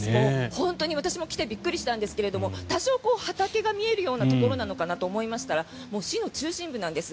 本当に私も来てびっくりしたんですけど多少、畑が見えるようなところなのかなと思いましたら市の中心部なんです。